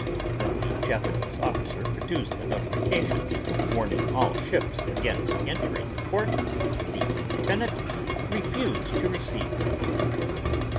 When the Japanese officer produced the notifications warning all ships against entering the port, the lieutenant refused to receive them.